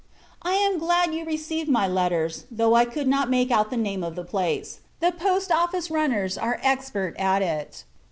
I am glad you received my letters, though I could not make out the name of the place; the Post Office runners are expert at it.